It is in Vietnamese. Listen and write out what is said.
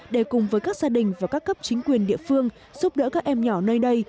để cùng với các gia đình và các cấp chính quyền địa phương giúp đỡ các em nhỏ nơi đây